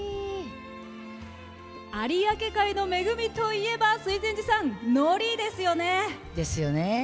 有明海の恵みといえば水前寺さんのりですよね。ですよね。